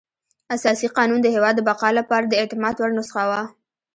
اساسي قانون د هېواد د بقا لپاره د اعتماد وړ نسخه وه.